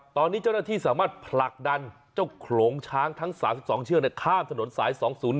ตอนนี้เจ้าหน้าที่สามารถผลักดันเจ้าโขลงช้างทั้ง๓๒เชือกข้ามถนนสาย๒๐๑